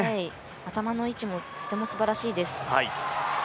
頭の位置もとてもすばらしいです。